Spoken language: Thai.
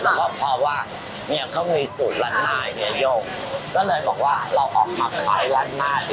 แล้วก็เพราะว่าเนี่ยเขามีสูตรลัดหน้าเยยโยงก็เลยบอกว่าเราออกมาภายลัดหน้าดีกว่า